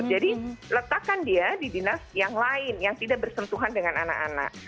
jadi letakkan dia di dinas yang lain yang tidak bersentuhan dengan anak anak